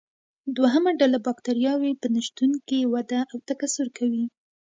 دوهمه ډله بکټریاوې په نشتون کې وده او تکثر کوي.